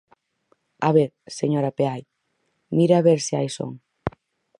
A ver, señora Peai, mire a ver se hai son.